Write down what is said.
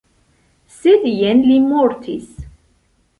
Sed jen li mortis.